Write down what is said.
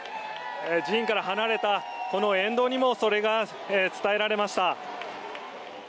寺院から離れたこの沿道にもそれが伝えられました。